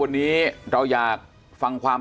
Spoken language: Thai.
อันดับสุดท้าย